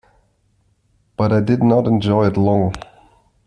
But I did not enjoy it long.